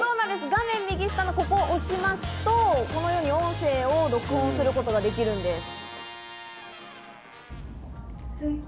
画面の右下のところを押すと、こうやって音声を録音することができるんです。